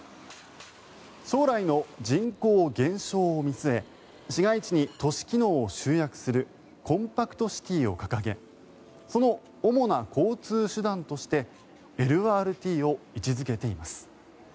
将来の人口減少を見据え市街地に都市機能を集約するコンパクトシティーを掲げその主な交通手段としてＬＲＴを位置付けています。